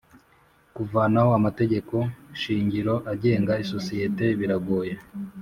kuvanaho amategeko shingiro agenga isosiyete biragoye